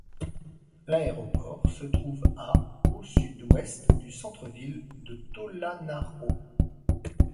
L'aéroport se trouve à au sud-ouest du centre-ville de Tôlanaro.